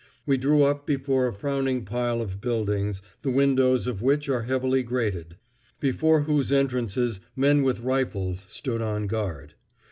We drew up before a frowning pile of buildings, the windows of which are heavily grated, before whose entrances men with rifles stood on guard.